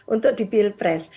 untuk di pilpres